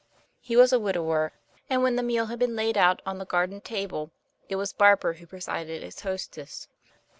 He was a widower, and when the meal had been laid out on the garden table, it was Barbara who presided as hostess.